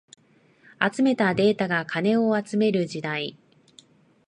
集めたデータが金を集める時代